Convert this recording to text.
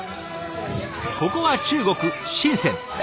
ここは中国・深。